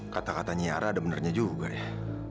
kata kata nyara ada benernya juga deh